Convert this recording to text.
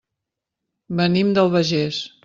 Venim de l'Albagés.